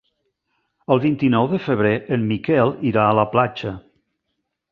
El vint-i-nou de febrer en Miquel irà a la platja.